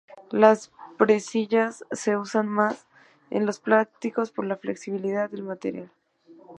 Las presillas se usan más en los plásticos por la flexibilidad del material.